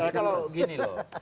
jadi kalau gini loh